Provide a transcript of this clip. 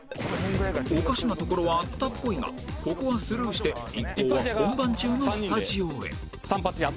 おかしなところはあったっぽいがここはスルーして一行は本番中のスタジオへ